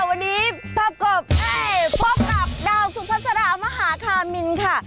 วันนี้ภาพกบพบกับดาวสุภาษามหาคามินค่ะ